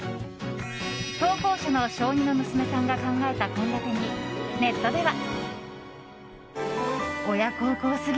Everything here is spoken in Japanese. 投稿者の小２の娘さんが考えた献立にネットでは。